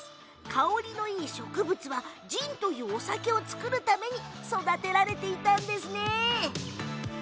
香りのいい植物はジンというお酒を造るために育てられていたんですね。